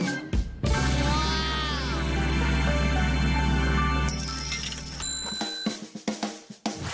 ว้าว